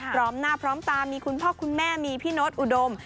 พร้อมหน้าพร้อมตามีคุณพ่อคุณแม่มีพี่โน๊ตอุดม